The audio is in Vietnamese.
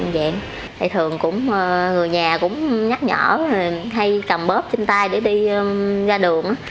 thì thường cũng người nhà cũng nhắc nhở hay cầm bóp trên tay để đi ra đường